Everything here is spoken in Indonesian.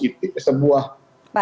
ini sebuah langkah langkah positif